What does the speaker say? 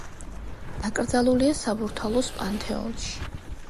დაკრძალულია საბურთალოს პანთეონში.